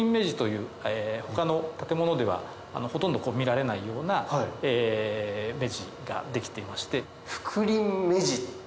他の建物ではほとんど見られないような目地が出来ていまして。